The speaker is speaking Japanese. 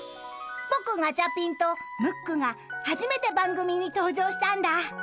［僕ガチャピンとムックが初めて番組に登場したんだ］